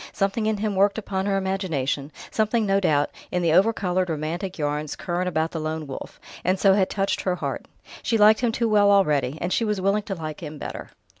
Something in him worked upon her imagination, something, no doubt, in the overcoloured, romantic yarns current about the Lone Wolf, and so had touched her heart. She liked him too well already, and she was willing to like him better.